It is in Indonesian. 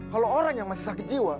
kalau orang yang masih sakit jiwa